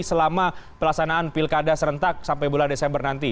selama pelaksanaan pilkada serentak sampai bulan desember nanti